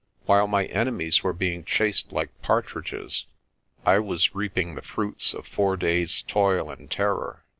While my enemies were being chased like partridges, I was reaping the fruits 228 PRESTER JOHN of four days' toil and terror.